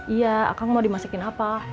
iya akang mau dimasakin apa